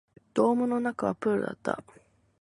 ドームの中はプールだった